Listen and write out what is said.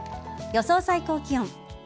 予想最高気温。